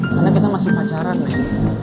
karena kita masih pacaran nek